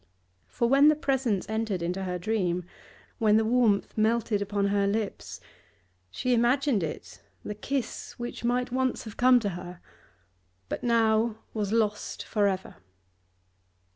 For when the presence entered into her dream, when the warmth melted upon her lips, she imagined it the kiss which might once have come to her but now was lost for ever.